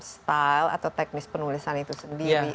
style atau teknis penulisan itu sendiri